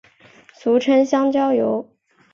俗称香蕉油。